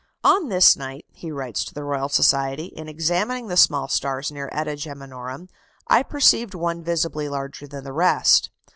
"On this night," he writes to the Royal Society, "in examining the small stars near [eta] Geminorum, I perceived one visibly larger than the rest.